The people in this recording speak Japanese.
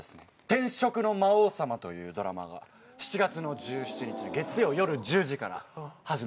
『転職の魔王様』というドラマが７月の１７日月曜夜１０時から始まります。